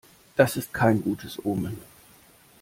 Das ist kein gutes Omen.